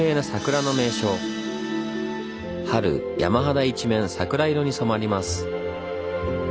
春山肌一面桜色に染まります。